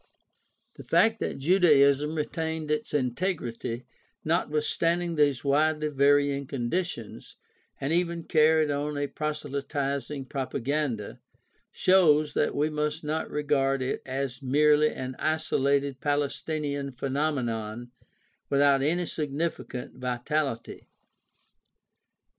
The fact that Judaism retained its integ rity, notwithstanding these widely varying conditions, and even carried on a proselytizing propaganda, shows that we must not regard it as merely an isolated Palestinian phe nomenon without any significant vitality.